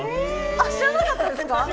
あっ知らなかったですか？